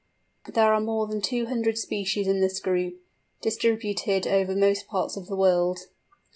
There are more than two hundred species in this group, distributed over most parts of the world.